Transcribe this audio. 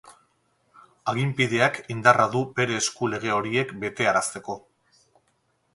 Aginpideak indarra du bere esku lege horiek betearazteko.